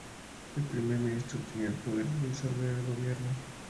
El Primer Ministro tenía el poder de disolver el gobierno.